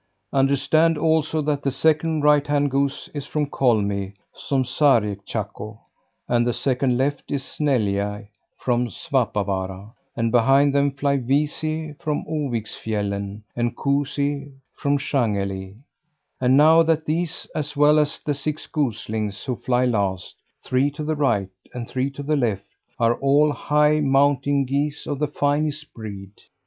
Understand, also, that the second right hand goose is Kolmi from Sarjektjakko, and the second, left, is Neljä from Svappavaara; and behind them fly Viisi from Oviksfjällen and Kuusi from Sjangeli! And know that these, as well as the six goslings who fly last three to the right, and three to the left are all high mountain geese of the finest breed!